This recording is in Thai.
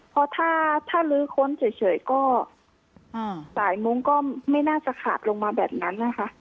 เพราะถ้าลื้อค้นเฉยก็สายมุ้งก็ไม่น่าจะขาดลงมาแบบนั้นนะคะ